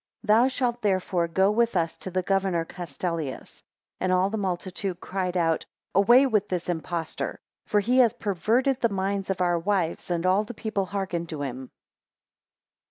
Thou shalt therefore go with us to the governor Castellius. 9 And all the multitude cried out, Away with this imposter, for he has perverted the minds of our wives, and all the people hearken to him.